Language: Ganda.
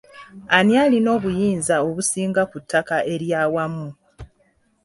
Ani alina obuyinza obusinga ku ttaka ery'awamu?